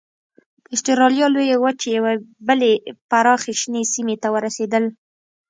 اسټرالیا لویې وچې یوې بلې پراخې شنې سیمې ته ورسېدل.